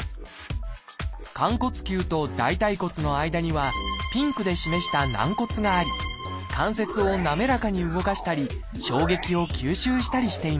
寛骨臼と大腿骨の間にはピンクで示した軟骨があり関節を滑らかに動かしたり衝撃を吸収したりしています。